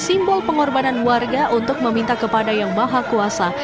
simbol pengorbanan warga untuk meminta kepada yang maha kuasa